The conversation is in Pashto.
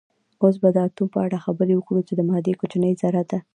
اوس به د اتوم په اړه خبرې وکړو چې د مادې کوچنۍ ذره ده